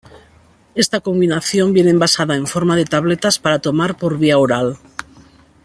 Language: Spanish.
Esta combinación viene envasada en forma de tabletas para tomar por vía oral.